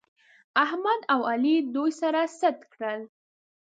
احمد او علي دوی سره سټ کړل